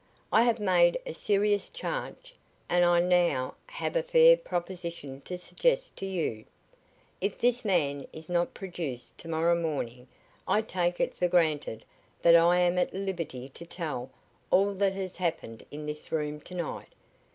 I have made a serious charge, and I now have a fair proposition to suggest to you. If this man is not produced to morrow morning I take it for granted that I am at liberty to tell all that has happened in this room to night.